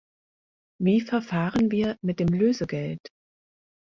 Wie verfahren wir mit dem Lösegeld?